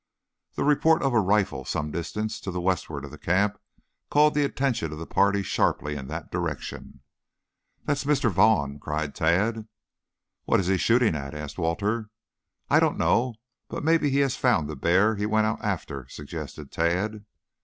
The report of a rifle some distance to the westward of the camp called the attention of the party sharply in that direction. "That's Mr. Vaughn," cried Tad. "What is he shooting at?" asked Walter. "I don't know, but maybe he has found the bear he went out after," suggested Tad.